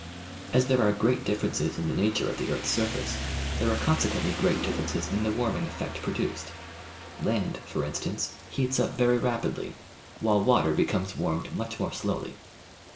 As there are great differ ences in the nature of the earth's surface, there are consequently great differences in the warming effect produced. Land, for instance, heats up very rapidly, while water becomes warmed much more slowly.